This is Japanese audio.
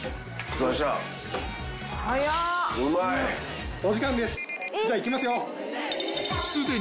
じゃあ行きますよ。